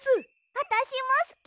あたしもすき！